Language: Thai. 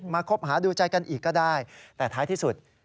คบหาดูใจกันอีกก็ได้แต่ท้ายที่สุด